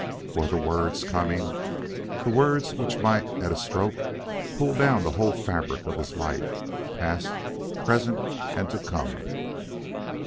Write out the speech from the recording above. Were the words coming the words which might at a stroke pull down the whole fabric of his life, past, present and to come?